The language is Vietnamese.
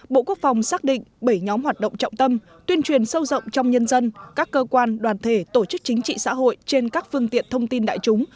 bộ quốc phòng xác định bảy nhóm hoạt động trọng tâm tuyên truyền sâu rộng trong nhân dân các cơ quan đoàn thể tổ chức chính trị xã hội trên các phương tiện thông tin đại chúng